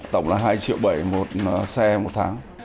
tổng là hai triệu bảy một xe một tháng